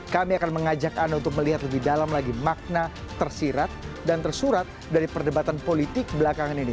kami akan mengajak anda untuk melihat lebih dalam lagi makna tersirat dan tersurat dari perdebatan politik belakangan ini